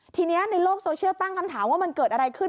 ทีนี้ในโลกโซเชียลตั้งคำถามว่ามันเกิดอะไรขึ้น